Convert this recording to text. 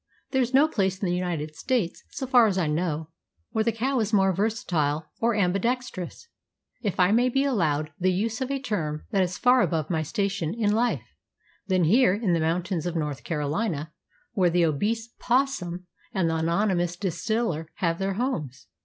There is no place in the United States, so far as I know, where the cow is more versatile or ambidextrous, if I may be allowed the use of a term that is far above my station in life, than here in the mountains of North Carolina, where the obese 'possum and the anonymous distiller have their homes.